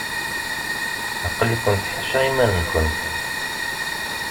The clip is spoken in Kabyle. Aql-ikent ḥaca iman-nkent.